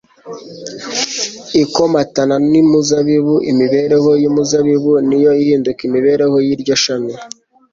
ikomatana n'umuzabibu. Imibereho y'umuzabibu ni yo ihinduka imibereho y'iryo shami